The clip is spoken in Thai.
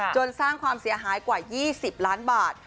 สร้างความเสียหายกว่า๒๐ล้านบาท